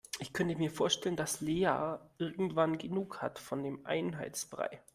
Ich könnte mir vorstellen, dass Lea irgendwann genug hat von dem Einheitsbrei.